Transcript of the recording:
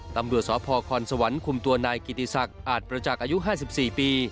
ตำรวจสพคสวรรค์คุมตัวนายกิติศักดิ์อาจประจักษ์อายุ๕๔ปี